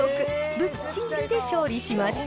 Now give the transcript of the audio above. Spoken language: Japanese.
ぶっちぎりで勝利しました。